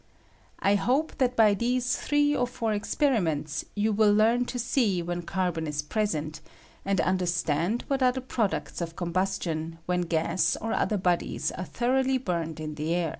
I hope that by these three or four ex periments you wiU learn to see when carbon is present, and understand what are the products of combustion when gas or other bodies are thoroughly burned in the air.